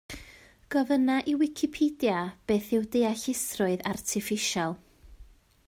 Gofynna i Wicipedia beth yw Deallusrwydd Artiffisial?